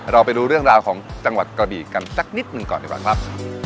เราไปดูเรื่องราวของจังหวัดกระบีกันสักนิดหนึ่งก่อนดีกว่าครับ